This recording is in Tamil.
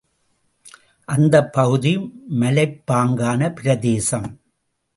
அந்தப் பகுதி மலைப்பாங்கான பிரதேசம்.